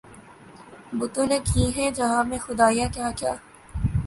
بتوں نے کی ہیں جہاں میں خدائیاں کیا کیا